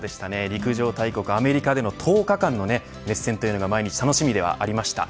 陸上大国アメリカでの１０日間の熱戦が毎日楽しみではありました。